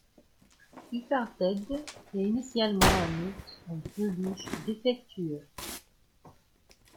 SuperTed est initialement un ours en peluche défectueux.